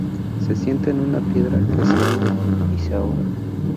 Se sienta en una piedra, que se hunde y se ahoga.